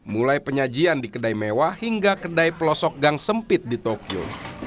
mulai penyajian di kedai mewah hingga kedai pelosok gang sempit di tokyo